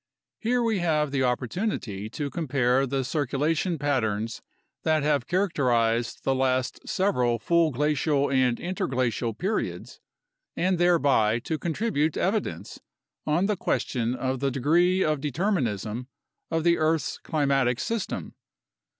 Here we have the opportunity to compare the circulation patterns that have char acterized the last several full glacial and interglacial periods, and thereby to contribute evidence on the question of the degree of de terminism of the earth's climatic system.